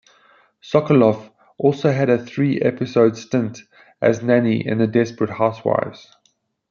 Sokoloff also had a three-episode stint as a nanny in Desperate Housewives.